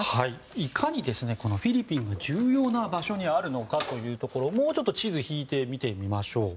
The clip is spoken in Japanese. いかにフィリピンが重要な場所にあるのかをもうちょっと地図を引いて見てみましょう。